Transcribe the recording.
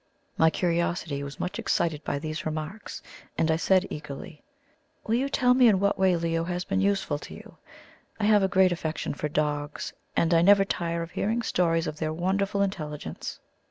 My curiosity was much excited by these remarks, and I said eagerly: "Will you tell me in what way Leo has been useful to you? I have a great affection for dogs, and I never tire of hearing stories of their wonderful intelligence."